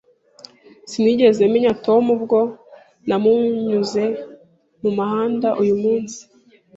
Sinigeze menya Tom ubwo namunyuze mumuhanda uyumunsi.